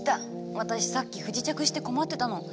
私さっき不時着して困ってたの。